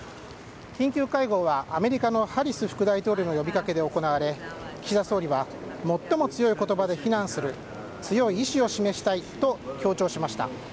緊急会合はアメリカのハリス副大統領の呼びかけで行われ、岸田総理は最も強い言葉で非難する強い意志を示したいと強調しました。